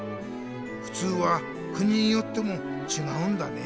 「ふつう」は国によってもちがうんだね。